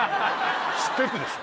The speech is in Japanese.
知ってるでしょ